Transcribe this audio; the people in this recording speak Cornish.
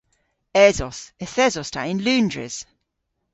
Esos. Yth esos ta yn Loundres.